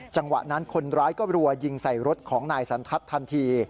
จังหวะนั้นคนร้ายก็รัวยิงใส่รถของนายสันทัศน์ทันที